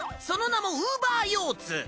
その名もウーバー妖ツ！